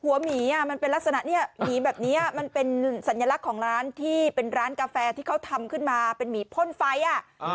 หมีอ่ะมันเป็นลักษณะเนี่ยหมีแบบนี้มันเป็นสัญลักษณ์ของร้านที่เป็นร้านกาแฟที่เขาทำขึ้นมาเป็นหมีพ่นไฟอ่ะ